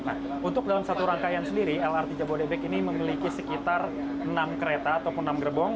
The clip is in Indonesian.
nah untuk dalam satu rangkaian sendiri lrt jabodebek ini memiliki sekitar enam kereta ataupun enam gerbong